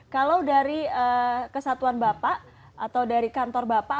kalau dari kesatuan bapak atau dari kantor bapak